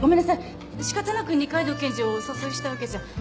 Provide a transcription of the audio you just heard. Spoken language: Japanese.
仕方なく二階堂検事をお誘いしたわけじゃ。